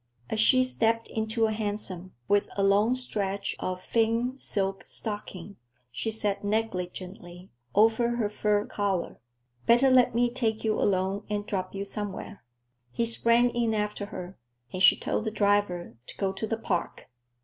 As she stepped into a hansom, with a long stretch of thin silk stocking, she said negligently, over her fur collar, "Better let me take you along and drop you somewhere." He sprang in after her, and she told the driver to go to the Park.